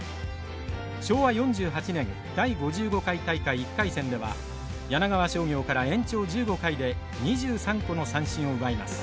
昭和４８年第５５回大会１回戦では柳川商業から延長１５回で２３個の三振を奪います。